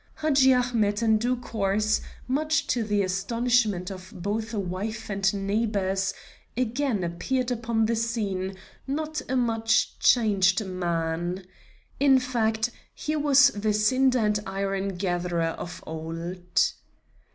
Hadji Ahmet in due course, much to the astonishment of both wife and neighbors, again appeared upon the scene not a much changed man. In fact, he was the cinder and iron gatherer of old.